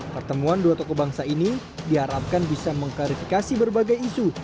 pertemuan dua tokoh bangsa ini diharapkan bisa mengklarifikasi berbagai isu